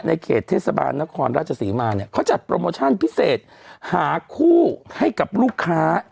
เขตเทศบาลนครราชศรีมาเนี่ยเขาจัดโปรโมชั่นพิเศษหาคู่ให้กับลูกค้า